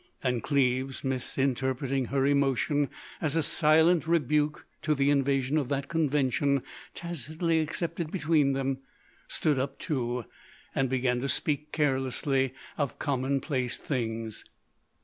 And Cleves, misinterpreting her emotion as a silent rebuke to the invasion of that convention tacitly accepted between them, stood up, too, and began to speak carelessly of commonplace things.